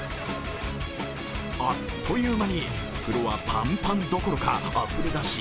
あっという間に袋はパンパンどころかあふれ出し